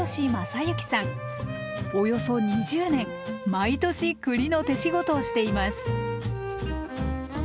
およそ２０年毎年栗の手仕事をしています。